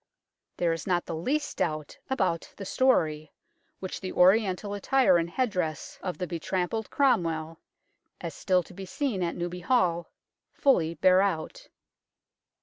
There is not the least doubt about the story, which the Oriental attire and headdress of the betrampled Cromwell, as still to be seen at Newby Hall, fully bear out.